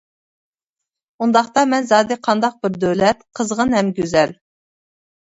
ئۇنداقتا مەن زادى قانداق بىر دۆلەت؟ قىزغىن ھەم گۈزەل.